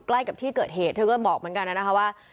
ใกล้กับที่เกิดเหตุเธอก็บอกเหมือนกันนะคะว่า